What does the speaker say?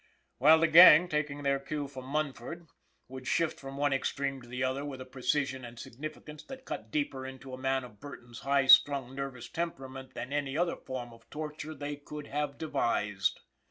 While the gang, taking their cue from Munford, would shift from one extreme to the other with a precision and significance that cut deeper into a man of Burton's high strung, nervous temperament than any other form of torture they could have devised.